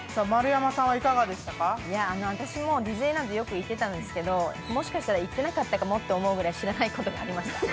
私もディズニーランド、よく行ってたんですけどもしかしたら行ってなかったかもって思うぐらい、知らないことがありました。